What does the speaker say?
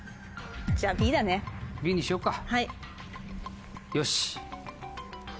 じゃＢだね。Ｂにしよっか。